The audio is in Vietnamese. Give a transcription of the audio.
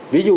ví dụ như